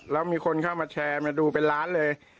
แล้วมีคนเข้ามาแชร์มาดูเป็นล้านเลย